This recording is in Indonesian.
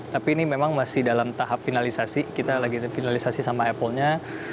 tapi ini memang masih dalam tahap finalisasi kita lagi finalisasi sama apple nya